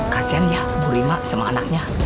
kasihan ya burima sama anaknya